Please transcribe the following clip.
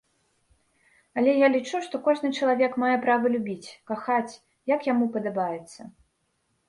Але я лічу, што кожны чалавек мае права любіць, кахаць, як яму падабаецца.